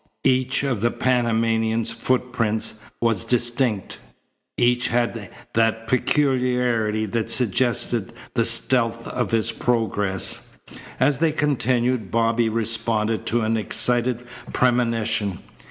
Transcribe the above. Each of the Panamanian's footprints was distinct. Each had that peculiarity that suggested the stealth of his progress. As they continued Bobby responded to an excited premonition.